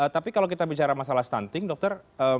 tapi kalau kita bicara masalah stunting dokter